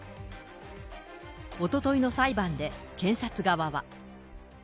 おとといの裁判で検察側は。